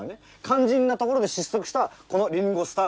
肝心なところで失速したこのリンゴスターが悪い。